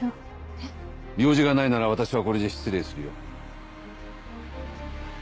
えっ？用事がないなら私はこれで失礼するよ？